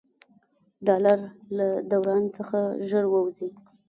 ډالر له دوران څخه ژر ووځي.